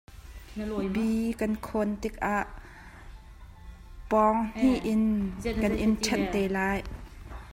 Bee kan kawn tikah pawnghnih in kan in ṭhenh te lai.